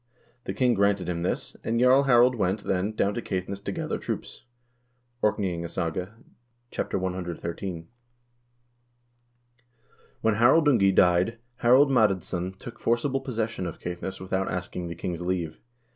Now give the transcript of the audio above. The king granted him this, and Jarl Harald went, then, down to Caith ness to gather troops." ("Orkneyingasaga," ch. cxiii.) When Harald Ungi died, Harald Madadsson took forcible possession of Caithness without asking the king's leave.